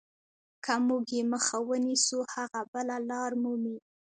که موږ یې مخه ونیسو هغه بله لار مومي.